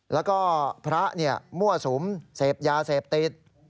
แล้วก็พระมั่วสุมเสพยาเสพติด